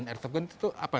ya itu hal terus